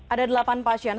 ada delapan pasien